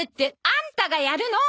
あんたがやるの！